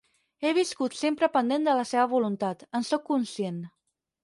He viscut sempre pendent de la seva voluntat, en sóc conscient.